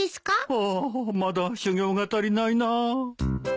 ああまだ修行が足りないな。